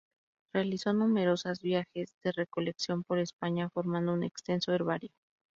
Realizó numerosas viajes de recolección por España, formando un extenso herbario.